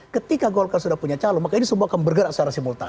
ketika golkar sudah punya calon maka ini semua akan bergerak secara simultan